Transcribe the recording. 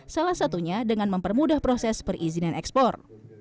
salah satunya dengan mempermudah proses perizinan ekspor